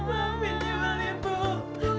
maafkan aku ibu